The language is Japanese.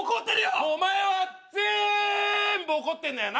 お前はぜーんぶ怒ってんだよな？